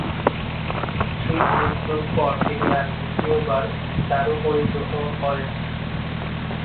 স্ত্রীর মৃত্যুর পর তিনি আর দ্বিতীয় বার দারুপরিগ্রহ করেননি।